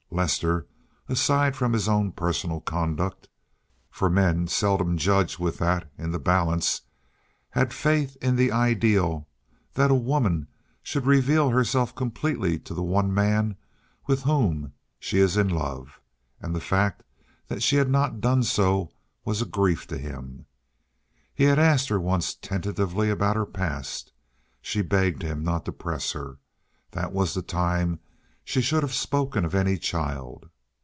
Lester, aside from his own personal conduct (for men seldom judge with that in the balance), had faith in the ideal that a woman should reveal herself completely to the one man with whom she is in love; and the fact that she had not done so was a grief to him. He had asked her once tentatively about her past. She begged him not to press her. That was the time she should have spoken of any child.